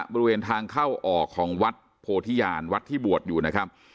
บริเวณทางเข้าออกของวัดโพธิญาณวัดที่บวชอยู่นะครับ